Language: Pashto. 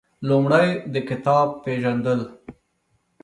لومړی د کتاب پېژندل